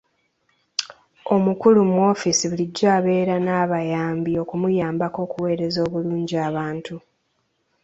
Omukulu mu woofiisi bulijjo abeera n'abayambi okumuyambako okuweereza obulungi abantu.